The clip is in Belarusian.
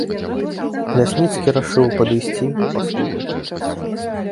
Лясніцкі рашыў падысці, паслухаць.